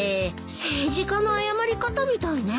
政治家の謝り方みたいね。